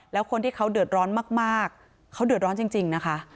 แล้วคนที่เขาเดือดร้อนมากเขาเดือดร้อนจริงนะคะ